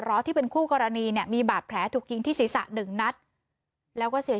้อที่เป็นคู่กรณีเนี่ยมีบาดแผลถูกยิงที่ศีรษะหนึ่งนัดแล้วก็เสีย